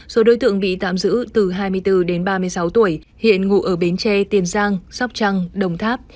số đối tượng bị tạm giữ từ hai mươi bốn đến ba mươi sáu tuổi hiện ngụ ở bến tre tiền giang sóc trăng đồng tháp